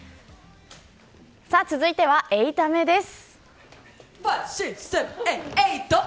続いては、８タメです。